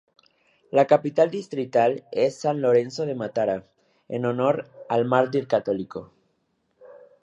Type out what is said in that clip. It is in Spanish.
La capital distrital es San Lorenzo de Matara, en honor al mártir católico.